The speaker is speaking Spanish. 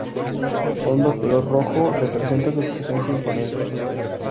Fondo color Rojo= representa su presencia imponente.